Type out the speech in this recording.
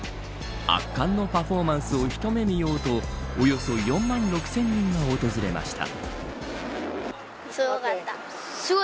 圧巻のパフォーマンスを一目見ようとおよそ４万６０００人が訪れました。